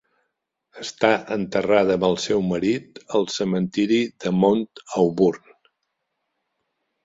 Està enterrada amb el seu marit al cementiri de Mount Auburn.